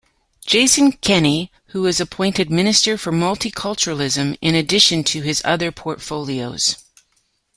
Jason Kenney who was appointed Minister for Multiculturalism in addition to his other portfolios.